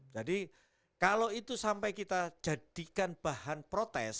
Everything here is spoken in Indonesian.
jadi kalau itu sampai kita jadikan bahan protes